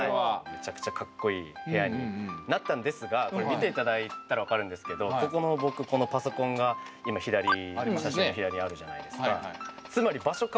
めちゃくちゃかっこいい部屋になったんですがこれ見ていただいたら分かるんですけどここの僕このパソコンが今左にあるじゃないですか。